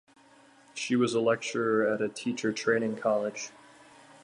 She was a lecturer at a teacher training college.